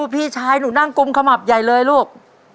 พี่ชายหนูนั่งกุมขมับใหญ่เลยลูก